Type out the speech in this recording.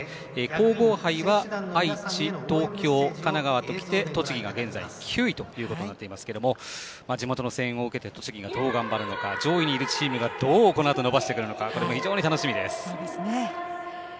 皇后杯は愛知、東京、神奈川ときて栃木が現在９位ということになっていますけれども地元の声援を受けて栃木がどう頑張るのか上位にいるチームがどうこのあと伸ばしてくるのかも非常に楽しみです。